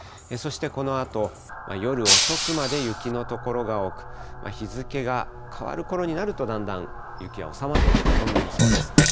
そしてこのあと、夜遅くまで雪の所が多く、日付が変わるころになると、だんだん雪は収まってくる、そんな予想です。